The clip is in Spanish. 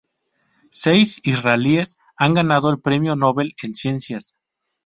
Seis israelíes han ganado el Premio Nobel en Ciencias.